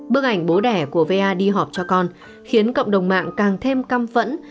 bức ảnh bố đẻ của va đi họp cho con khiến cộng đồng mạng càng thêm căm phẫn